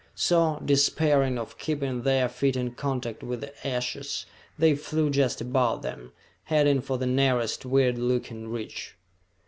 So, despairing of keeping their feet in contact with the ashes, they flew just above them, heading for the nearest weird looking ridge.